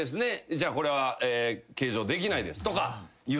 「じゃあこれは計上できないです」とかいうので。